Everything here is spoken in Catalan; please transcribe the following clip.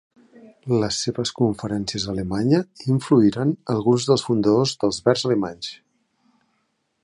Les seves conferències a Alemanya influïren alguns dels fundadors dels Verds alemanys.